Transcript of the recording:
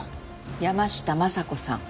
山下昌子さん